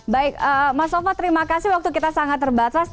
baik mas sofa terima kasih waktu kita sangat terbatas